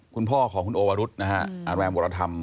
คุณพ่อของคุณโอวะรุษอารมณ์บริธรรม